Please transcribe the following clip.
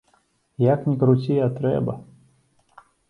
Як ні круці, а трэба.